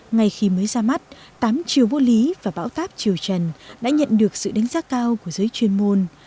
ngay khi mới ra mắt tám triều vô lý và bão táp triều trần đã nhận được sự đánh giá cao của giới chuyên môn